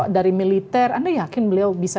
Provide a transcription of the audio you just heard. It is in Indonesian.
dari militer anda yakin beliau bisa